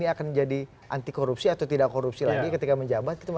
ini akan menjadi anti korupsi atau tidak korupsi lagi ketika menjabat